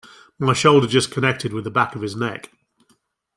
My shoulder just connected with the back of his neck.